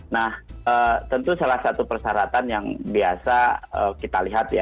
nah tentu salah satu persyaratan yang biasa kita lihat ya